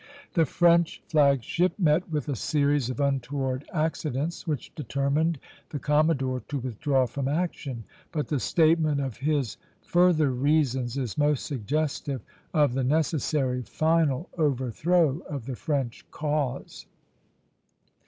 The French flag ship met with a series of untoward accidents, which determined the commodore to withdraw from action; but the statement of his further reasons is most suggestive of the necessary final overthrow of the French cause.